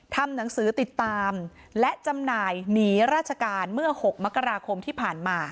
ทำหนังสือติดตามและจำหน่ายหนีราชการเมื่อ๖มกราคมที่ผ่านมา